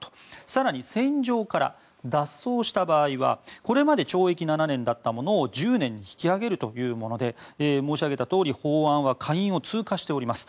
更に、戦場から脱走した場合はこれまで懲役７年だったものを１０年に引き上げるというもので申し上げたとおり法案は下院を通過しております。